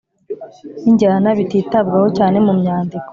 n’injyana bititabwaho cyane mu myandiko